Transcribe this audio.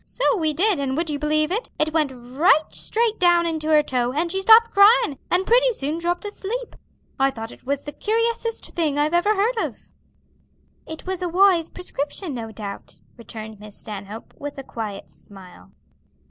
So we did, and would you believe it? it went right straight down into her toe, and she stopped cryin', and pretty soon dropped asleep. I thought it was the curiosest thing I ever heard of." "It was a wise prescription, no doubt," returned Miss Stanhope, with a quiet smile.